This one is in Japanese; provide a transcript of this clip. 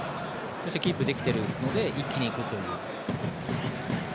そしてキープできているので一気にいくという。